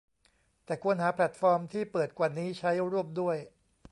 แต่ควรหาแพลตฟอร์มที่เปิดกว่านี้ใช้ร่วมด้วย